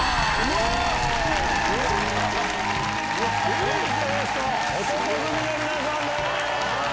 本日のゲスト男闘呼組の皆さんです！